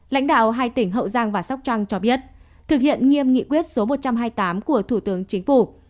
lãnh đạo hai tỉnh hậu giang và sóc trăng cho biết thực hiện nghiêm nghị quyết số một trăm hai mươi tám của thủ tướng chính phủ